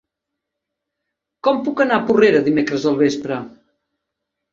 Com puc anar a Porrera dimecres al vespre?